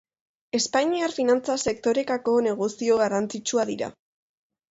Espainiar finantza sektorerako negozio garrantzitsua dira.